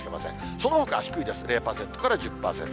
そのほかは低いです、０％から１０％。